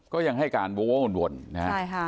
ก็ยังให้การโว้วนนะฮะ